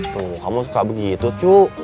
tuh kamu suka begitu cu